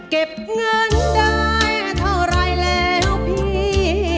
เก็บเงินได้เท่าไรแล้วพี่